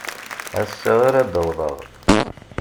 Ass-a ara d-awḍeɣ.